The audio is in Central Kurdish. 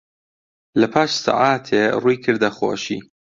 لەپاش سەعاتێ ڕووی کردە خۆشی